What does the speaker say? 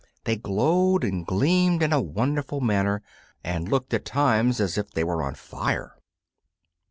They glowed and gleamed in a wonderful manner, and looked at times as if they were on fire!